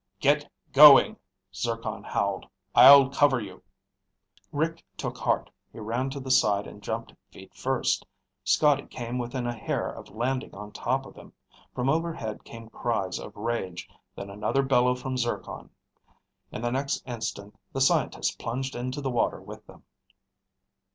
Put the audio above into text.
"Get going," Zircon howled. "I'll cover you!" Rick took heart. He ran to the side and jumped feet first. Scotty came within a hair of landing on top of him. From overhead came cries of rage, then another bellow from Zircon. In the next instant the scientist plunged into the water with them.